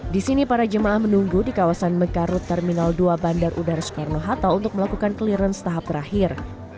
di sini para jemaah menunggu di kawasan mekarut terminal dua bandar udara soekarno hatta untuk melakukan clearance tahap terakhir